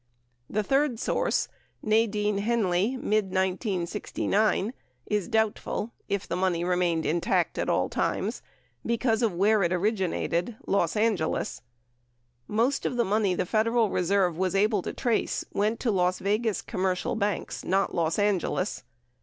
The third source (Nadine Henley, mid 1969) is doubtful (if the money remained intact at all times) because of where it originated — Los Angeles. Most of the money the Federal Re serve was able to trace went to Las Vegas commercial banks, not Los Angeles.